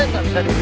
taruh di arke